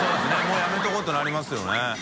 發やめておこうってなりますよね。